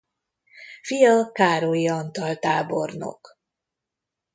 Fia Károlyi Antal tábornok.